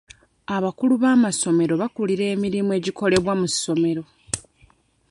Abakulu b'amasomero bakulira emirimu egikolebwa mu ssomero.